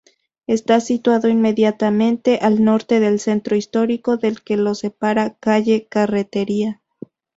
Está situado inmediatamente al norte del centro histórico, del que lo separa calle Carretería.